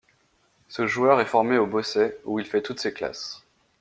Ce joueur est formé au Beausset où il fait toutes ses classes.